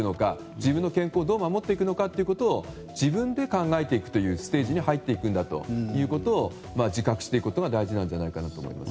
自分の健康をどう守っていくのかを自分で考えていくステージに入っていくんだということを自覚していくことが大事なんじゃないかと思います。